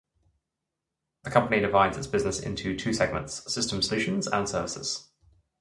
The company divides its business into two segments: Systems Solutions and Services.